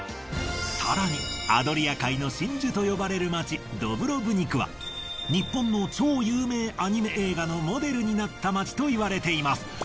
更にアドリア海の真珠と呼ばれる街ドブロブニクは日本の超有名アニメ映画のモデルになった街といわれています。